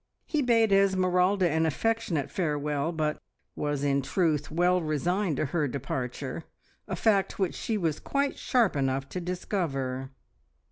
He bade Esmeralda an affectionate farewell, but was in truth well resigned to her departure a fact which she was quite sharp enough to discover.